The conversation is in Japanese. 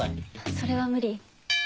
それは無理。